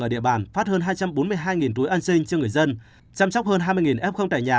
ở địa bàn phát hơn hai trăm bốn mươi hai túi ăn xin cho người dân chăm sóc hơn hai mươi ép không tải nhà